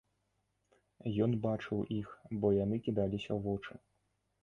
Ён бачыў іх, бо яны кідаліся ў вочы.